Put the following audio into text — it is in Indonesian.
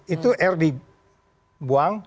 itu r dibuang